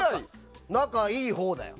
仲いいほうだよ。